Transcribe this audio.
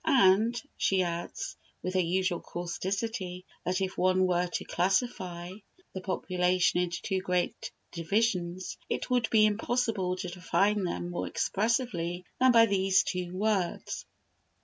And, she adds, with her usual causticity, that if one were to classify the population into two great divisions, it would be impossible to define them more expressively than by these two words.